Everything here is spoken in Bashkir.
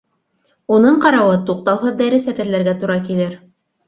Уның ҡарауы, туҡтауһыҙ дәрес әҙерләргә тура килер.